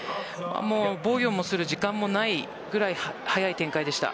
防御もする時間もないくらい速い展開でした。